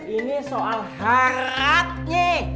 ini soal haratnya